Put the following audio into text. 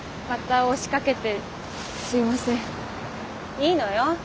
いいのよ。